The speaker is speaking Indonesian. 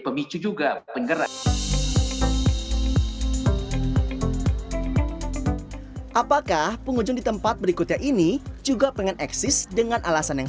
pemicu juga penggerak apakah pengunjung di tempat berikutnya ini juga pengen eksis dengan alasan yang